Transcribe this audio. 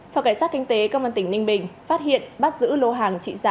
phòng cảnh sát kinh tế công an tỉnh ninh bình phát hiện bắt giữ lô hàng trị giá